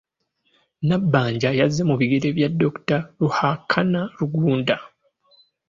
Nabbanja yazze mu bigere bya Dr. Ruhakana Rugunda.